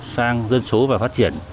sang dân số và phát triển